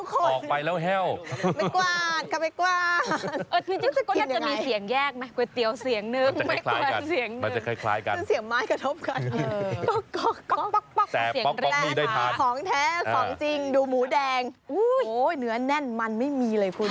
ของแท้ของจริงดูหมูแดงเนื้อแน่นมันไม่มีเลยคุณ